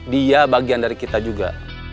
dia bagian dari kita juga